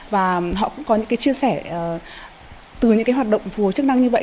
và họ cũng có những cái chia sẻ từ những cái hoạt động phù hợp chức năng như vậy